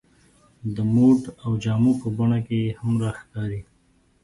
د موډ او جامو په بڼه کې هم راښکاري.